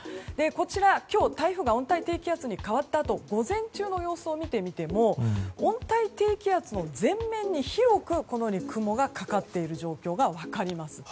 こちら、今日台風が温帯低気圧に変わったあと午前中の様子を見てみても温帯低気圧の全面に広く雲がかかっている状況が分かります。